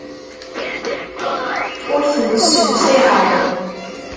Ur tent-ssewsaɛeɣ.